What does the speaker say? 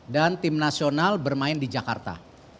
dan tim nasional bermain di jakarta